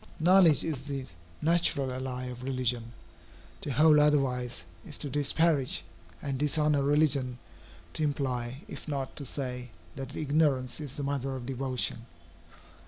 Knowledge is the natural ally of religion. To hold otherwise, is to disparage and dishonor religion to imply, if not to say, that ignorance is the mother of devotion.